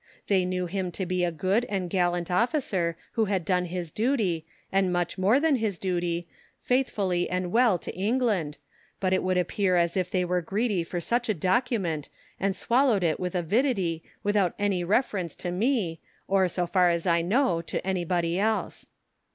They knew him to be a good and gallant officer who had done his duty, and much more than his duty, faithfully and well to England, but it would appear as if they were greedy for such a document and swallowed it with avidity without any reference to me or, so far as I know, to anybody else.